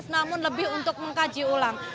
namun lebih untuk mengkaji ulang